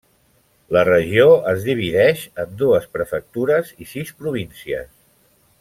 La regió es divideix en dues prefectures i sis províncies.